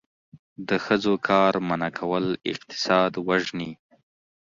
د ښځو کار منع کول اقتصاد وژني.